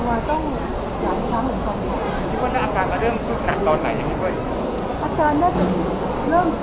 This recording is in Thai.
คิดว่าถ้าอาการก็เริ่มสุดขัดตอนไหนอย่างนี้ด้วย